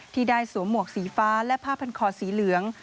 ที่ได้สวมหมวกสีฟ้าและผ้าพันคอสีเหลือง